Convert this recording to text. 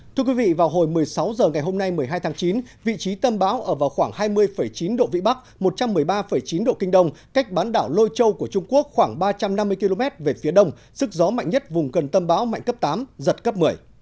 thưa quý vị vào hồi một mươi sáu h ngày hôm nay một mươi hai tháng chín vị trí tâm bão ở vào khoảng hai mươi chín độ vĩ bắc một trăm một mươi ba chín độ kinh đông cách bán đảo lôi châu của trung quốc khoảng ba trăm năm mươi km về phía đông sức gió mạnh nhất vùng gần tâm bão mạnh cấp tám giật cấp một mươi